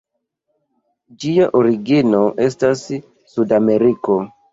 Ĝia origino estas Sudameriko.